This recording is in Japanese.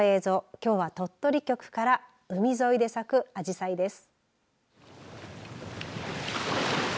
きょうは鳥取局から海沿いで咲くアジサイです。